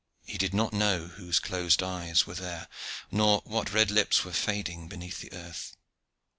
He did not know whose closed eyes were there, nor what red lips were fading beneath the earth.